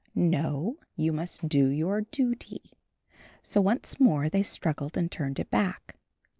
"No, you must do your duty." So once more they struggled and turned it back.